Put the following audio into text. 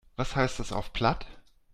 Was heißt das auf Platt?